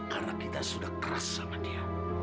karena kita sudah keras sama dia